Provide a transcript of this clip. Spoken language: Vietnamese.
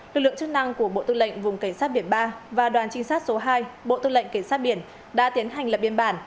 lực lượng chức năng của bộ tư lệnh vùng cảnh sát biển ba và đoàn trinh sát số hai bộ tư lệnh cảnh sát biển đã tiến hành lập biên bản